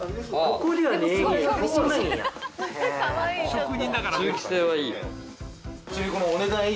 職人だから。